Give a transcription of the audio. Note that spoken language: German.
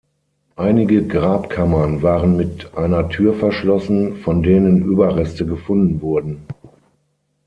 Einige Grabkammern waren mit einer Tür verschlossen, von denen Überreste gefunden wurden.